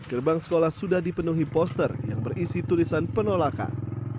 gerbang sekolah sudah dipenuhi poster yang berisi tulisan penolakan